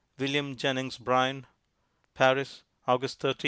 William Jennings Bryan. Paris, August 13, 1906.